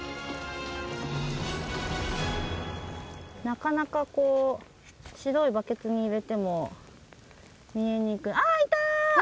なかなかこう白いバケツに入れても見えにくい。